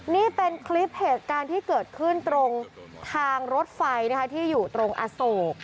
นี่เป็นคลิปเหตุการณ์ที่เกิดขึ้นตรงทางรถไฟที่อยู่ตรงอโศก